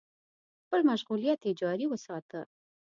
خپل مشغولیت يې جاري وساته.